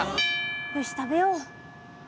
よし食べよう。